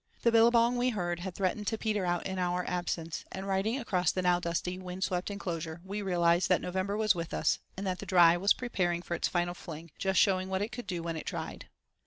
The billabong, we heard, had threatened to "peter out" in our absence, and riding across the now dusty wind swept enclosure we realised that November was with us, and that the "dry" was preparing for its final fling—"just showing what it could do when it tried."